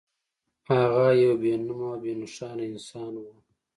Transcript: هغه يو بې نومه او بې نښانه انسان و.